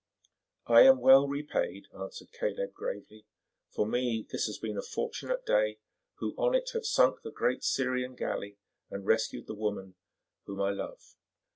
"I am well repaid," answered Caleb gravely. "For me this has been a fortunate day, who on it have sunk the great Syrian galley and rescued the woman—whom I love."